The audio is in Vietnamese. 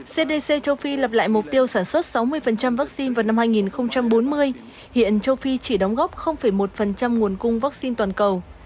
cdc châu phi lập lại mục tiêu sản xuất sáu mươi vắc xin vào năm hai nghìn bốn mươi hiện châu phi chỉ đóng góp một nguồn cung vắc xin toàn cầu